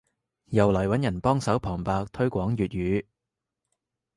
又嚟揾人幫手旁白推廣粵語